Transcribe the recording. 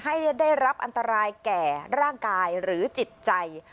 ให้ได้รับอันตรายแก่ร่างกายหรือจิตใจ